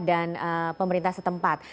dan pemerintah setempat